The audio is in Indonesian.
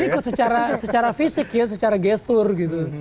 ngikut secara fisik ya secara gesture gitu